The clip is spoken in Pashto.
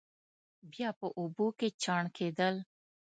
بیا په اوبو کې چاڼ کېدل.